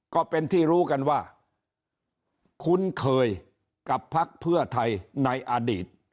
ก็เป็นที่รู้กันว่าคุ้นเคยกับพักเพื่อไทยในอดีต